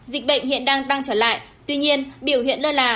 dịch bệnh hiện đang tăng trở lại tuy nhiên biểu hiện lơ là